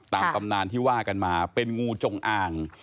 ตำนานที่ว่ากันมาเป็นงูจงอ่าง